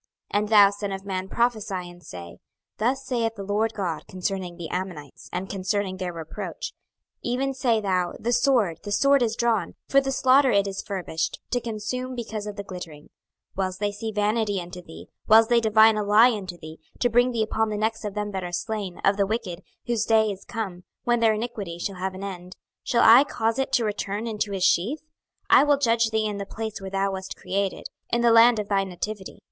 26:021:028 And thou, son of man, prophesy and say, Thus saith the Lord GOD concerning the Ammonites, and concerning their reproach; even say thou, The sword, the sword is drawn: for the slaughter it is furbished, to consume because of the glittering: 26:021:029 Whiles they see vanity unto thee, whiles they divine a lie unto thee, to bring thee upon the necks of them that are slain, of the wicked, whose day is come, when their iniquity shall have an end. 26:021:030 Shall I cause it to return into his sheath? I will judge thee in the place where thou wast created, in the land of thy nativity.